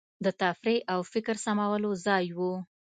د تفریح او فکر سمولو ځای وو.